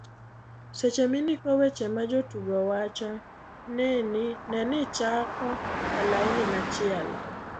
seche mindiko weche ma jotugo wacho, ne ni ichako e lain machielo